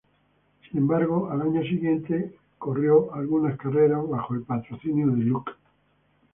Sin embargo al año siguiente corrió algunas carreras bajo el patrocinio de Look.